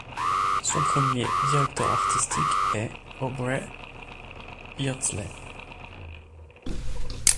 Son premier directeur artistique est Aubrey Beardsley.